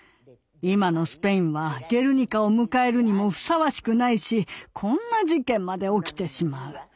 今のスペインは「ゲルニカ」を迎えるにもふさわしくないしこんな事件まで起きてしまう。